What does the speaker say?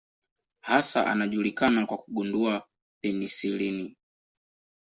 Hasa anajulikana kwa kugundua penisilini.